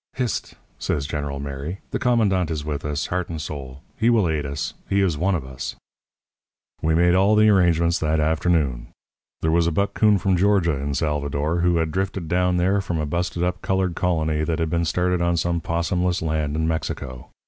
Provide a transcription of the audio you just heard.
"'Hist!' says General Mary. 'The commandant is with us, heart and soul. He will aid us. He is one of us.' "We made all the arrangements that afternoon. There was a buck coon from Georgia in Salvador who had drifted down there from a busted up coloured colony that had been started on some possumless land in Mexico.